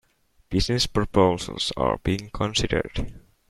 Business proposals are being considered.